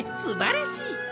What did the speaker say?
すばらしい。